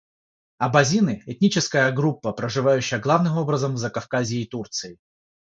Абазины - этническая группа, проживающая главным образом в Закавказье и Турции.